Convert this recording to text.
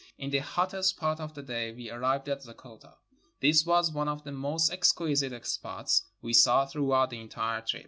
In the hot test part of the day we arrived at Zeggota. This was one of the most exquisite spots we saw throughout the entire trip.